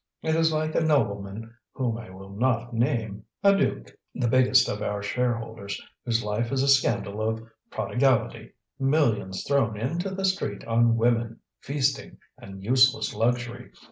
It is like a nobleman whom I will not name, a duke, the biggest of our shareholders, whose life is a scandal of prodigality, millions thrown into the street on women, feasting, and useless luxury.